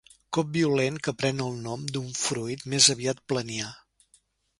Cop violent que pren el nom d'un fruit més aviat planià.